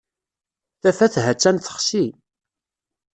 Tafat ha-tt-an texsi.